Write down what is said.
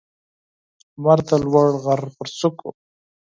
لمر د لوړ غر پر څوکو